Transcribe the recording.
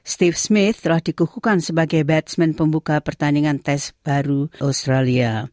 steve smith telah dikukuhkan sebagai batsman pembuka pertandingan test baru australia